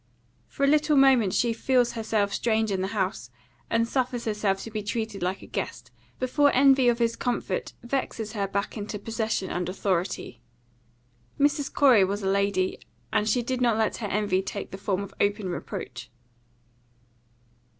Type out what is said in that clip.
For a little moment she feels herself strange in the house, and suffers herself to be treated like a guest, before envy of his comfort vexes her back into possession and authority. Mrs. Corey was a lady, and she did not let her envy take the form of open reproach.